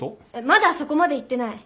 まだそこまで言ってない。